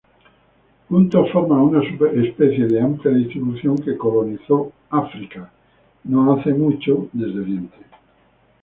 Juntos forman una superespecie de amplia distribución, que colonizó África relativamente recientemente desde oriente.